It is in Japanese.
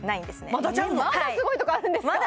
まだすごいとこあるんですか？